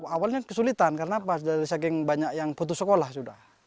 awalnya kesulitan karena pas dari saking banyak yang putus sekolah sudah